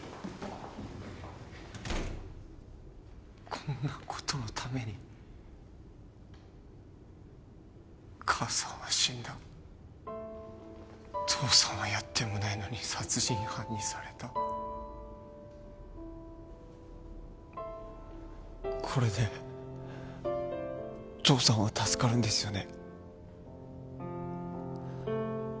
こんなことのために母さんは死んだ父さんはやってもないのに殺人犯にされたこれで父さんは助かるんですよね？